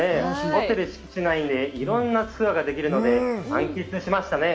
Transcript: ホテル敷地内でいろんなツアーができるので、満喫しましたね。